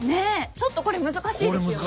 ちょっとこれ難しいですよね。